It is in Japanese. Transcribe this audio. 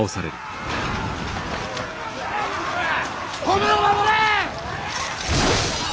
米を守れ！